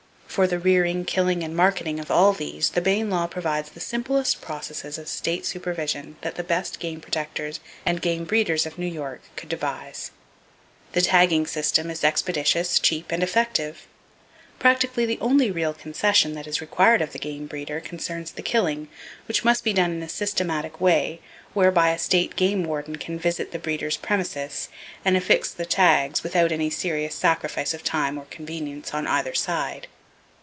For the rearing, killing and marketing of all these, the Bayne law provides the simplest processes of state supervision that the best game protectors and game breeders of New York could devise. The tagging system is expeditious, cheap and effective. Practically the only real concession that is required of the game breeder concerns the killing, which must be done in a systematic way, whereby a state game warden can visit the breeder's premises and affix the tags without any serious sacrifice of time or convenience on either side.